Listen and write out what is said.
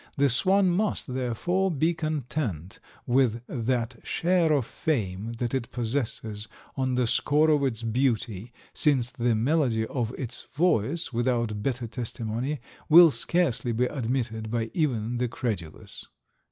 The swan must, therefore, be content with that share of fame that it possesses on the score of its beauty, since the melody of its voice, without better testimony, will scarcely be admitted by even the credulous."